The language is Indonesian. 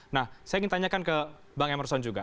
nah saya ingin tanyakan ke bang emerson juga